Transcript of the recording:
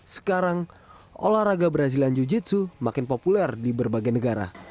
sekarang olahraga brazilian jiu jitsu makin populer di berbagai negara